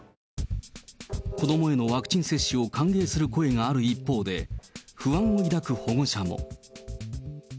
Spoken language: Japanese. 子どもへのワクチン接種を歓迎する声がある一方で、不安を抱く保護者も。